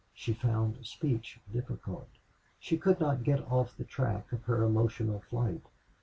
She found speech difficult. She could not get off the track of her emotional flight.